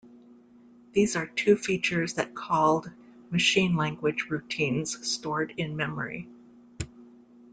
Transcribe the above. These are two features that called machine-language routines stored in memory.